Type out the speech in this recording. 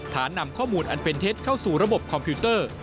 ฐานนำข้อมูลอันเป็นเท็จเข้าสู่ระบบคอมพิวเตอร์